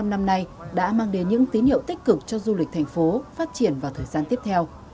năm nay đã mang đến những tín hiệu tích cực cho du lịch thành phố phát triển vào thời gian tiếp theo